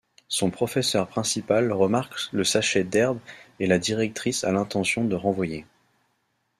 Son professeur principal remarque le sachet d'herbe et la directrice a l'intention de renvoyer.